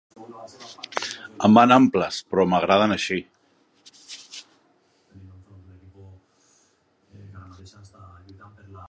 Em van amples, però m'agraden així.